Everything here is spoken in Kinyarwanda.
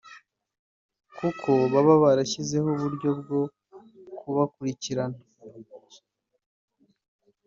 kuko baba barashyizeho uburyo bwo kubakurikirana